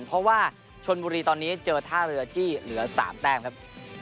เพราะว่าชนบุรีตอนนี้เจอท่าเรือจี้เหลือ๓แต้มครับ